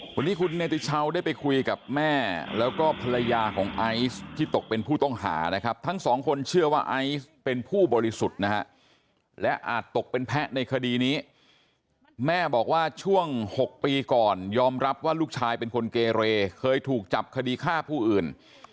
วันนี้คุณเนติชาวได้ไปคุยกับแม่แล้วก็ภรรยาของไอซ์ที่ตกเป็นผู้ต้องหานะครับทั้งสองคนเชื่อว่าไอซ์เป็นผู้บริสุทธิ์นะฮะและอาจตกเป็นแพ้ในคดีนี้แม่บอกว่าช่วง๖ปีก่อนยอมรับว่าลูกชายเป็นคนเกเรเคยถูกจับคดีฆ่าผู้อื่น